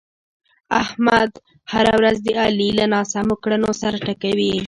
احمد هره ورځ د علي له ناسمو کړنو سر ټکوي.